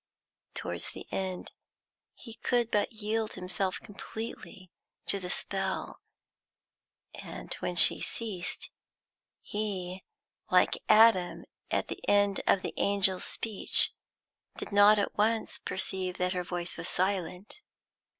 Towards the end, he could but yield himself completely to the spell, and, when she ceased, he, like Adam at the end of the angel's speech, did not at once perceive that her voice was silent.